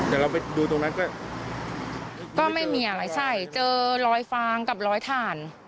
แต่เราไปดูตรงนั้นก็ไม่มีอะไรใส่เจอรอยฟางกับรอยถ่าน